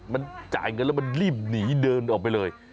มันจ่ายเงินแล้วมันรีบหนีเดินออกไปเลย